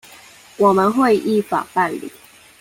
我們會依法辦理